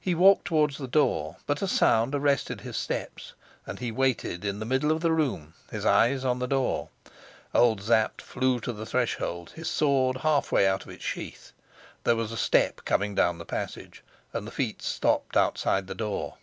He walked towards the door; but a sound arrested his steps, and he waited in the middle of the room, his eyes on the door. Old Sapt flew to the threshold, his sword half way out of its sheath. There was a step coming down the passage, and the feet stopped outside the door.